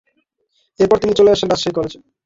এরপর তিনি চলে আসেন রাজশাহী কলেজে।